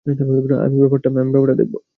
আমি ব্যাপারটা দেখব।